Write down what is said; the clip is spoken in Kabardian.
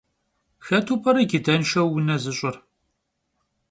Xetu p'ere cıdenşşeu vune zış'ıfır?